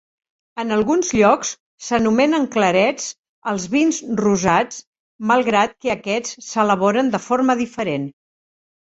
En alguns llocs s'anomenen clarets als vins rosats malgrat que aquests s'elaboren de forma diferent.